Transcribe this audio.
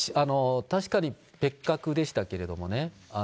確かに、別格でしたけれどもね。